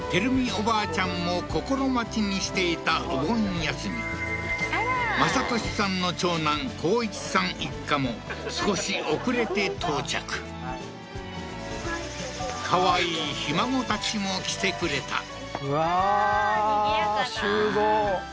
おばあちゃんも心待ちにしていたお盆休み政利さんの長男宏一さん一家も少し遅れて到着かわいいひ孫たちも来てくれたうわーにぎやかだ集合